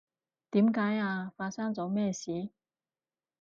點解呀？發生咗咩事？